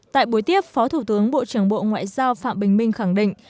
tại buổi tiếp phó thủ tướng bộ trưởng bộ ngoại giao phạm bình minh khẳng định